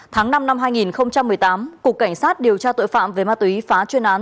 tháng năm năm hai nghìn một mươi tám cục cảnh sát điều tra tội phạm về ma túy phá chuyên án